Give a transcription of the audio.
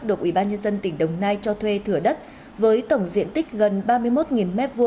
được ủy ban nhân dân tỉnh đồng nai cho thuê thửa đất với tổng diện tích gần ba mươi một m hai